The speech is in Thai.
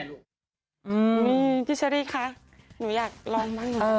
พี่ชะรีคะหนูอยากลองบ้าง